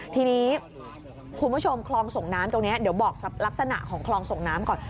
ทีนี้คุณผู้ชมคลองส่งน้ำตรงนี้เดี๋ยวบอกลักษณะของคลองส่งน้ำก่อน